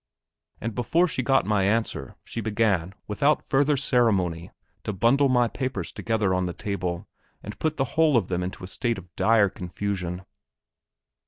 And before she got my answer, she began, without further ceremony, to bundle my papers together on the table, and put the whole of them into a state of dire confusion.